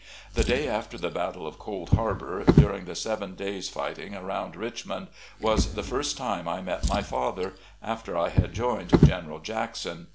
The day after the battle of Cold Harbor, during the "Seven Days" fighting around Richmond, was the first time I met my father after I had joined General Jackson.